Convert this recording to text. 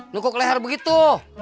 nukuk leher begitu